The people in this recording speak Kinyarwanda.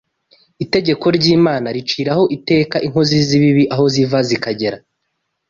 Itegeko ry’Imana riciraho iteka inkozi z’ibibi aho ziva zikagera